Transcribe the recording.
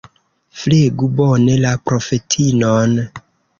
Flegu bone la profetinon.